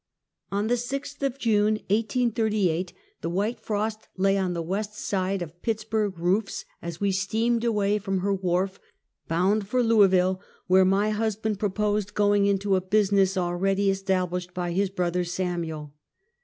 On the 6th of June, 1838, the white frost lay on the west side of Pittsburg roofs as we steamed away from her wharf, bound for Louisville, where my husband proposed going into a business already established by his brother Samuel.